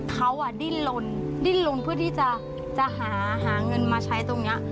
เขาดิ้นลนดิ้นลนเพื่อที่จะหาเงินมาใช้ตรงนี้